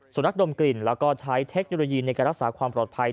นักดมกลิ่นแล้วก็ใช้เทคโนโลยีในการรักษาความปลอดภัย